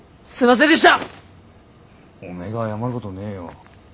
おめえが謝るごどねえよ。